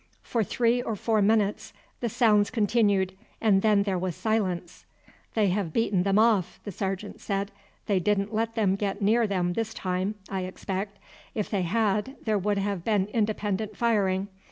For three or four minutes the sounds continued, and then there was silence. "They have beaten them off," the sergeant said. "They didn't let them get near them this time, I expect. If they had there would have been independent firing.